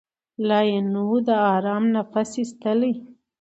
لا یې نه وو د آرام نفس ایستلی